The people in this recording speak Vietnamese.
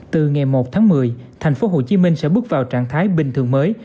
từ ngày một tháng một mươi thành phố hồ chí minh sẽ bước vào trạng thái bình thường mới